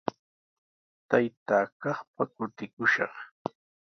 Taytaa kaqpa kutikushaq.